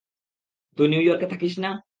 তুই নিউইয়র্কে থাকিস না?